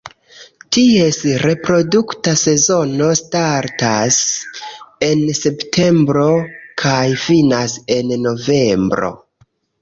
Ties reprodukta sezono startas en septembro kaj finas en novembro.